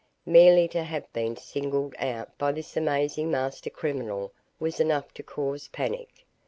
Merely to have been singled out by this amazing master criminal was enough to cause panic.